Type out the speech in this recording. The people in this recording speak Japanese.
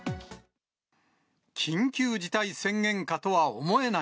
緊急事態宣言下とは思えない